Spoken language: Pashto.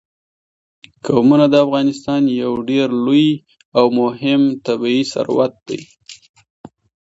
قومونه د افغانستان یو ډېر لوی او مهم طبعي ثروت دی.